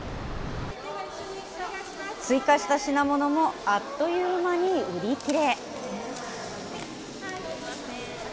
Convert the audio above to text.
追加した品物もあっという間に売り切れ。